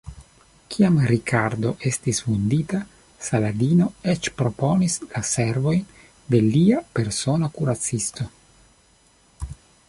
Kiam Rikardo estis vundita, Saladino eĉ proponis la servojn de lia persona kuracisto.